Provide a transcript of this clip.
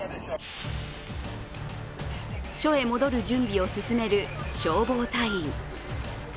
署へ戻る準備を進める消防隊員。